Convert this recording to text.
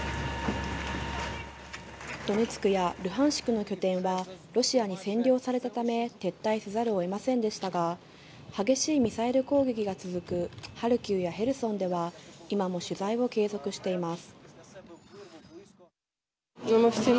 ドネツクやルハンシクの拠点はロシアに占領されたため、撤退せざるを得ませんでしたが、激しいミサイル攻撃が続くハルキウやヘルソンでは、今も取材を継続しています。